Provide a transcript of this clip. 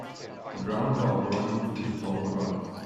a brown dog running through the tall grass.